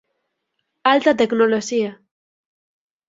Alta tecnoloxía